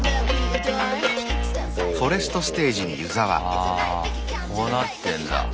あこうなってんだ。